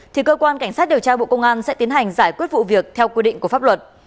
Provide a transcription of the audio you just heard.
thì cơ quan cảnh sát điều tra bộ công an sẽ tiến hành giải quyết vụ việc theo quy định của pháp luật